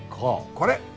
これ。